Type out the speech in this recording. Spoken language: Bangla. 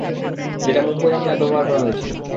যেটা মুম্বই হামলায় ব্যবহার করা হয়েছিল।